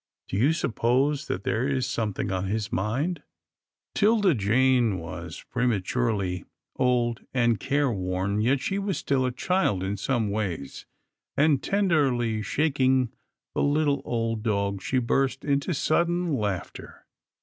" Do you suppose that there is something on his mind ?" 'Tilda Jane was prematurely old and careworn, yet she was still a child in some ways, and, tenderly shaking the little old dog, she burst into sudden laughter.